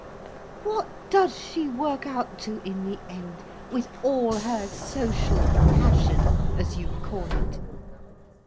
What does she work out to, in the end, with all her social passion, as you call it.